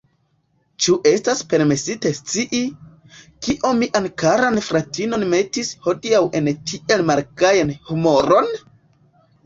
Ĉu estas permesite scii, kio mian karan fratinon metis hodiaŭ en tiel malgajan humoron?